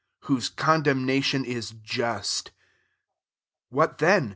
whose con demnation is'just." 9 What then